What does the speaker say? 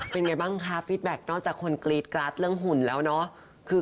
เป็นอย่างไรบ้างค่ะฟีดแบ็คนอกจากคนกรีดกราดเรื่องหุ่นแล้วเนอะ